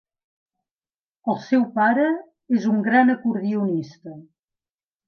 El seu pare és un gran acordionista.